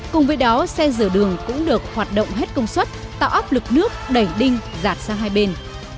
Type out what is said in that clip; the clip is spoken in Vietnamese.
cùng với đó xe rửa đường cũng được hoạt động hết công suất tạo áp lực nước đẩy đinh giặt sang hai bên